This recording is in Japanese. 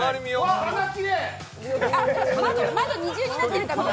窓、二重になってるか見よう。